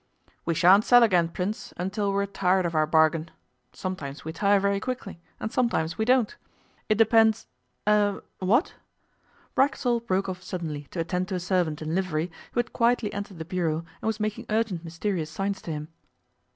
'We sha'n't sell again, Prince, until we are tired of our bargain. Sometimes we tire very quickly, and sometimes we don't. It depends eh? What?' Racksole broke off suddenly to attend to a servant in livery who had quietly entered the bureau and was making urgent mysterious signs to him.